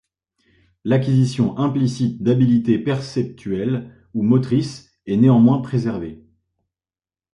L'acquisition implicite d'habiletés perceptuelles ou motrices est néanmoins préservée.